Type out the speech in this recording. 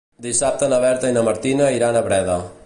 Dissabte na Berta i na Martina iran a Breda.